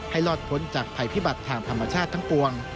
รอดพ้นจากภัยพิบัติทางธรรมชาติทั้งปวง